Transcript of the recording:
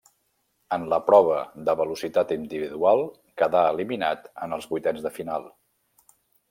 En la prova de velocitat individual quedà eliminat en els vuitens de final.